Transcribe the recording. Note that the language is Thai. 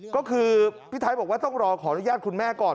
ก็คือพี่ไทยบอกว่าต้องรอขออนุญาตคุณแม่ก่อน